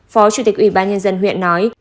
phó chủ tịch ubnd huyện nói